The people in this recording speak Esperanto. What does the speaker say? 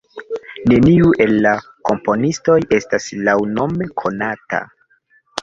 Neniu el la komponistoj estas laŭnome konata.